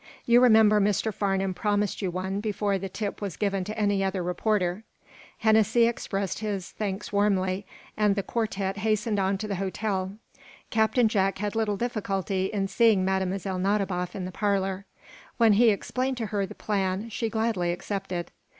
"You remember, Mr. Farnum promised you one before the tip was given to any other reporter." Hennessy expressed his, thanks warmly, and the quartette hastened on to the hotel. Captain Jack had little difficulty in seeing Mlle. Nadiboff in the parlor. When he explained to her the plan, she gladly accepted.